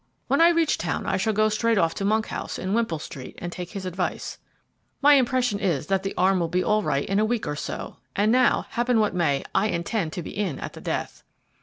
When I reach town I shall go straight off to Monkhouse, in Wimpole Street, and take his advice. My impression is that the arm will be all right in a week or so; and now, happen what may, I intend to be in at the death."